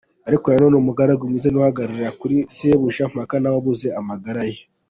Ariko na none, umugaragu mwiza ni uwahagararaga kuri Sebuja mpaka nawe abuze amagara ye.